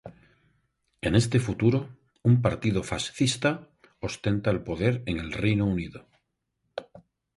En este futuro, un partido fascista ostenta el poder en el Reino Unido.